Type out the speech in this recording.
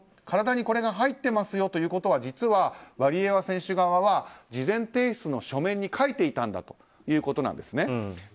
体にこれが入っていますよということは実はワリエワ選手側は事前提出の書面に書いていたんだということなんですね。